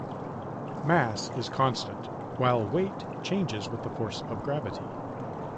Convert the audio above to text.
Mass is constant, while weight changes with the force of gravity.